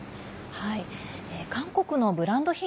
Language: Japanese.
韓国のブランド品